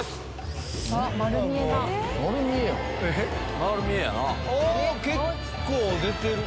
あ結構出てる。